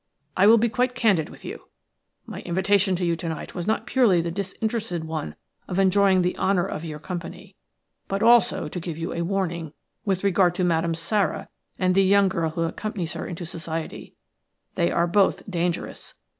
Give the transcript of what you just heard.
I will be quite candid with you. My invitation to you tonight was not purely the disinterested one of enjoying the honour of your company, but also to give you a warning with regard to Madame Sara and the young girl who accompanies her into society. They are both dangerous.